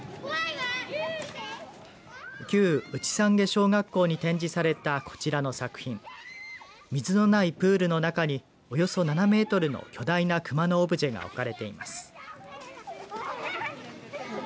旧内山下小学校に展示されたこちらの作品水のないプールの中におよそ７メートルの巨大な熊のオブジェが置かれています。